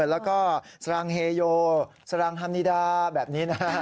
แล้วก็สรังเฮโยสรังฮัมนิดาแบบนี้นะฮะ